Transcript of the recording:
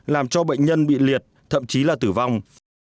làm cho bệnh nhân bị liệt thậm chí là tử vong